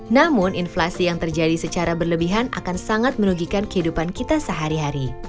namun inflasi yang terjadi secara berlebihan akan sangat merugikan kehidupan kita sehari hari